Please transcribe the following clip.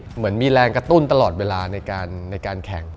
เหมือนมีแรงกระตุ้นตลอดเวลาในการแข่ง